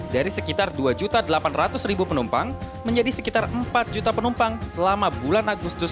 dari sekitar dua delapan ratus penumpang menjadi sekitar empat juta penumpang selama bulan agustus dua ribu delapan belas